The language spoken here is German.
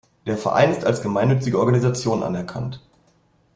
Der Verein ist als gemeinnützige Organisation anerkannt.